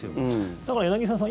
だから、柳澤さん